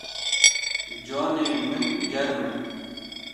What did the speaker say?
Canê min germ e.